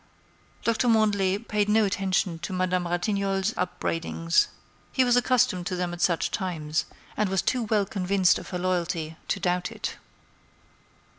Doctor Mandelet paid no attention to Madame Ratignolle's upbraidings. He was accustomed to them at such times, and was too well convinced of her loyalty to doubt it.